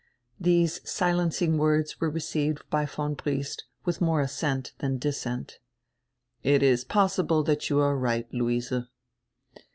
These silencing words were re ceived by von Briest with more assent dian dissent. "It is possible diat you are right, Luise."